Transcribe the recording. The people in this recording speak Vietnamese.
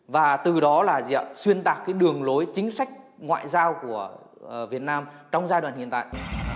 và từ đó xuyên tạp đường lối chính sách ngoại giao của việt nam trong giai đoạn hiện tại